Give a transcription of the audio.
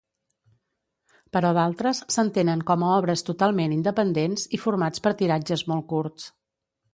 Però d'altres s'entenen com a obres totalment independents i formats per tiratges molt curts.